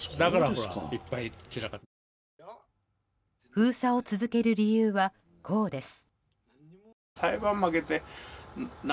封鎖を続ける理由はこうです。